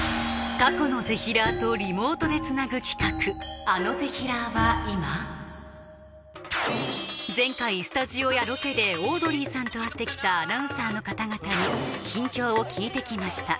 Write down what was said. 過去のぜひらーとリモートでつなぐ企画前回スタジオやロケでオードリーさんと会ってきたアナウンサーの方々に近況を聞いてきました